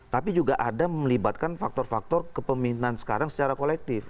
tapi juga ada melibatkan faktor faktor kepemimpinan sekarang secara kolektif